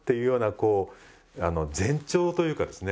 こうあの前兆というかですね